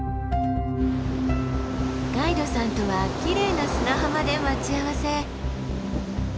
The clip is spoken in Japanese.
ガイドさんとはきれいな砂浜で待ち合わせ。